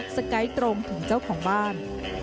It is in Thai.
สไกด์ตรงถึงเจ้าของบ้าน